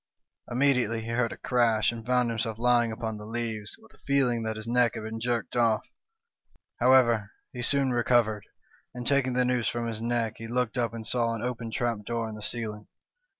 " Immediately he heard a crash, and found himself lying upon the leaves, with a feeling that his neck had 64 The Story of John d Groats. been jerked off. However, he soon recovered, and,, taking the noose from his neck, he looked up and saw an open trap door in the ceiling.